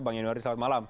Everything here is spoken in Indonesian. bang yanwardi selamat malam